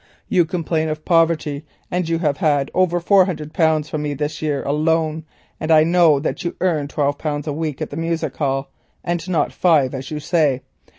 You complain of poverty and you have had over four hundred pounds from me this year alone, and I know that you earn twelve pounds a week at the music hall, and not five as you say.